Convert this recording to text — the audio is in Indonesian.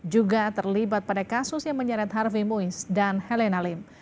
juga terlibat pada kasus yang menyeret harvey muiz dan helena lim